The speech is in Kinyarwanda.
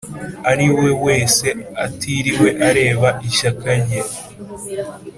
ari we wese atiriwe areba ishyaka rye